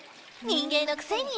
「人間のくせに」？